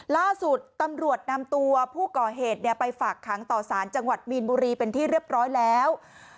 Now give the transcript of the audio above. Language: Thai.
ล่าสุดตำรวจนำตัวผู้ก่อเหตุไปฝากขังต่อสารจังหวัดมีนบุรีเป็นที่เรียบร้อยแล้ว